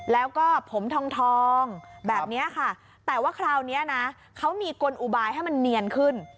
แล้วก็ผมทองแบบนี้ค่ะแต่ว่าคราวนี้นะเขามีกลอุบายให้มันเนียนขึ้น